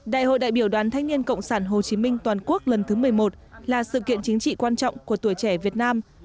đại hội đại biểu đoàn thanh niên cộng sản hồ chí minh toàn quốc lần thứ một mươi một là sự kiện chính trị quan trọng của tuổi trẻ việt nam